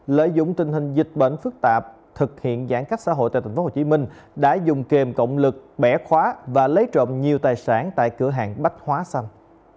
lợi dụng tình hình dịch bệnh phức tạp thực hiện giãn cách xã hội tại tp hcm đã dùng kềm cộng lực bẻ khóa và lấy trộm nhiều tài sản tại cửa hàng bách hóa xanh